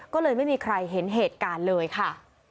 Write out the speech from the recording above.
ก็เลยไม่มีใครเห็นเหตุการณ์เลยค่ะ